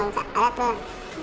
terus saya jahitkan